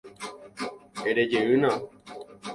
Erejeýna